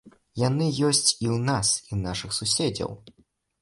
Яны ёсць і ў нас, і ў нашых суседзяў.